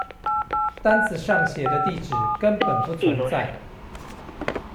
單子上寫的地址根本不存在